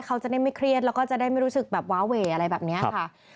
เขาจะได้ไม่เครียดแล้วก็จะได้ไม่รู้สึกแบบว้าเวอะไรแบบนี้ค่ะ